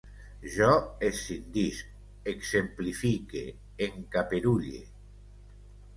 Jo escindisc, exemplifique, encaperulle